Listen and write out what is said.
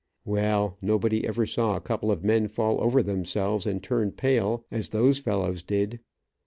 Well, nobody ever saw a couple of men fall over themselves and turn pale, as those fellows did.